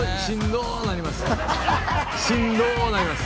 しんどうなります。